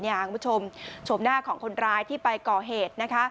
คุณผู้ชมชมหน้าของคนร้ายที่ไปก่อเหตุนะคะ